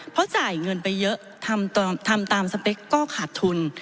เพราะจ่ายเงินไปเยอะทำตามสเปคก็ขาดทุน